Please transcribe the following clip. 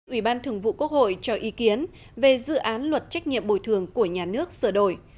ủy ban thường vụ quốc hội cho ý kiến về dự án luật trách nhiệm bồi thường của nhà nước sửa đổi